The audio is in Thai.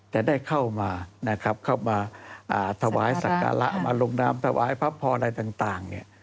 ได้เข้ามานะครับเข้ามาถวายสักการะมาลงนามถวายพระพรอะไรต่างเนี่ย